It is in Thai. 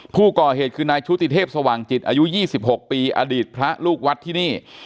ผู้ก่อเหตุคือนายชุติเทพสว่างจิตอายุ๒๖ปีอดีตพระลูกวัดที่นี่